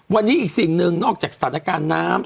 วันนี้อีกสิ่งหนึ่งนอกจากสถานการณ์น้ำ